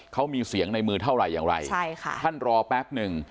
เขามีเสียงในมือเท่าไหร่อย่างไรใช่ค่ะท่านรอแป๊บหนึ่ง